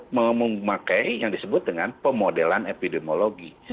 karena epidemiolog itu memakai yang disebut dengan pemodelan epidemiologi